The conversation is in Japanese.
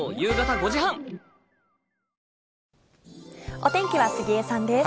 お天気は杉江さんです。